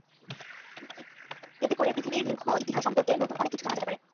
এতে করে পৃথিবীর দীর্ঘ ইতিহাস সম্পর্কে নতুন অনেক কিছু জানা যেতে পারে।